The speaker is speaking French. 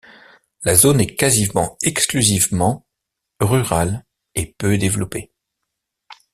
La zone est quasiment exclusivement rurale et peu développée.